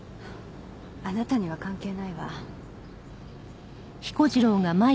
あなたには関係ないわ。